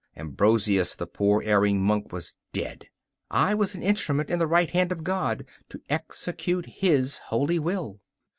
Ambrosius, the poor erring monk, was dead; I was an instrument in the right hand of God to execute His holy will.